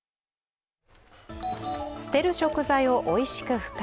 捨てる食材をおいしく復活。